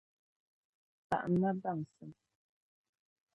Pahimi ma baŋsim